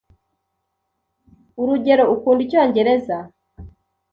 Urugero, ukunda Icyongereza?